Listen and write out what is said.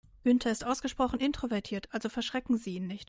Günther ist ausgesprochen introvertiert, also verschrecken Sie ihn nicht.